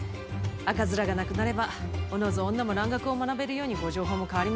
赤面がなくなればおのず女も蘭学を学べるようにご定法も変わりますかね。